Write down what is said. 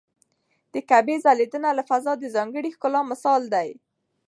د کعبې ځلېدنه له فضا د ځانګړي ښکلا مثال دی.